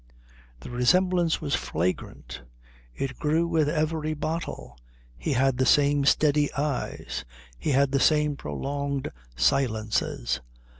The resemblance was flagrant. It grew with every bottle. He had the same steady eyes. He had the same prolonged silences.